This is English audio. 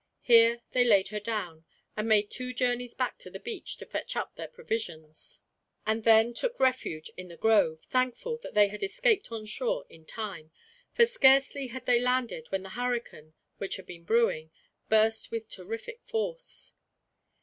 Here they laid her down, and made two journeys back to the beach to fetch up their provisions, and then took refuge in the grove; thankful that they had escaped on shore in time, for scarcely had they landed when the hurricane, which had been brewing, burst with terrific force.